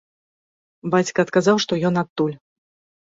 Бацька адказаў, што ён адтуль.